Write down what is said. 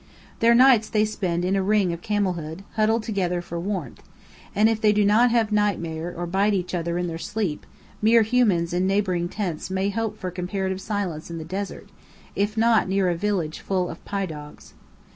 Their nights they spend in a ring of camelhood, huddled together for warmth; and if they do not have nightmare or bite each other in their sleep, mere humans in neighbouring tents may hope for comparative silence in the desert, if not near a village full of pi dogs.